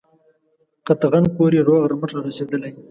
قطغن پوري روغ رمټ را رسېدلی یې.